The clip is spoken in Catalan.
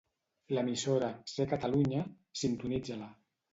L'emissora "Ser Catalunya", sintonitza-la.